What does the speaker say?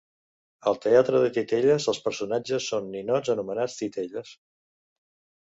Al teatre de titelles els personatges són ninots anomenats titelles.